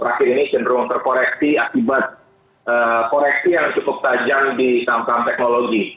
terakhir ini cenderung terkoreksi akibat koreksi yang cukup tajam di saham saham teknologi